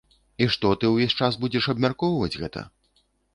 І што ты ўвесь час будзеш абмяркоўваць гэта?